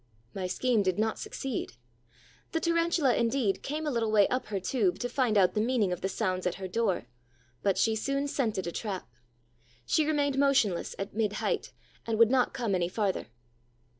My scheme did not succeed. The Tarantula, indeed, came a little way up her tube to find out the meaning of the sounds at her door; but she soon scented a trap; she remained motionless at mid height and would not come any farther.